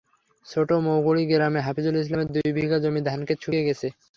ছোট মৌকুড়ি গ্রামের হাফিজুল ইসলামের দুই বিঘা জমির ধানখেত শুকিয়ে গেছে।